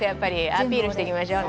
アピールしていきましょうね。